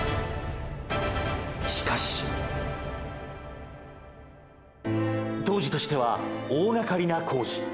しかし。当時としては大がかりな工事。